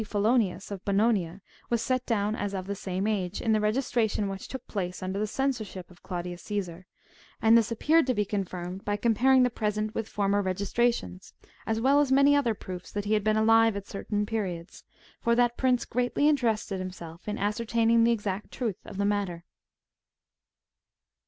Fullonius, of Bononia, was set down as of the same age, in the registration which took place under the censorship of Claudius Caesar ; and this appeared to be confirmed by comparing the present with former registrations, as well as many other proofs that he had been alive at certain periods — for that prince greatly in terested himself in ascertaining the exact truth of the matter.